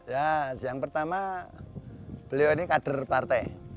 ya yang pertama beliau ini kader partai